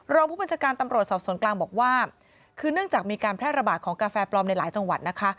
รองผู้บัญชาการตำรวจสอบสวนกลางบอกว่าคือเนื่องจากมีการแพร่ระบาดของกาแฟปลอมในหลายจังหวัดนะคะ